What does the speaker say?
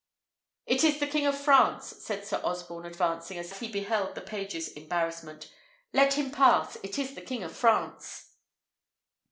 "It is the King of France," said Sir Osborne, advancing, as he beheld the page's embarrassment. "Let him pass. It is the King of France."